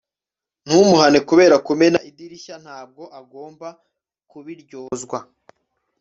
ntumuhane kubera kumena idirishya ntabwo agomba kubiryozwa